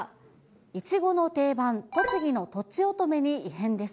イチゴの定番、栃木のとちおとめに異変です。